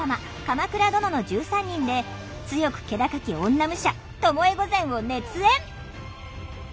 「鎌倉殿の１３人」で強く気高き女武者巴御前を熱演！